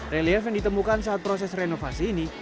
relief yang ditemukan saat proses renovasi ini